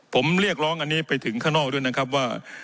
ผมเรียกร้องอันนี้ไปถึงข้างนอกด้วยนะครับว่า